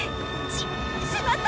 ししまった！